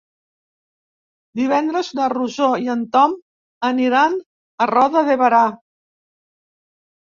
Divendres na Rosó i en Tom aniran a Roda de Berà.